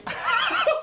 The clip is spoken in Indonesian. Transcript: panas bu terlalu